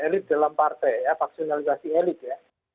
elit dalam partai ya vaksinalisasi elit ya